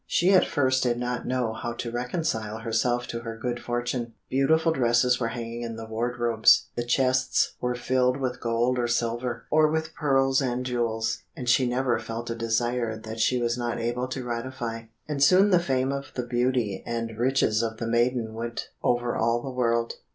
She at first did not know how to reconcile herself to her good fortune. Beautiful dresses were hanging in the wardrobes, the chests were filled with gold or silver, or with pearls and jewels, and she never felt a desire that she was not able to gratify. And soon the fame of the beauty and riches of the maiden went over all the world.